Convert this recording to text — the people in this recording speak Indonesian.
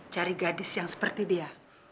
cari gadis yang seperti dia